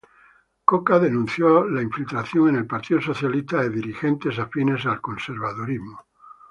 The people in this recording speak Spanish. Coca denunció la infiltración en el Partido Socialista de dirigentes afines al conservadurismo.